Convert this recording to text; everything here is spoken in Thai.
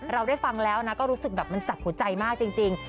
เราได้ฟังแล้วก็รู้สึกแบบมันจับหัวใจมากจริง